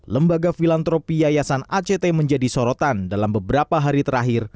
lembaga filantropi yayasan act menjadi sorotan dalam beberapa hari terakhir